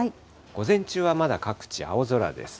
午前中はまだ各地青空です。